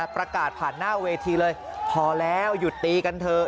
ประกาศผ่านหน้าเวทีเลยพอแล้วหยุดตีกันเถอะ